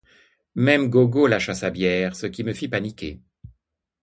Même Gogo lâcha sa bière, ce qui me fit paniquer.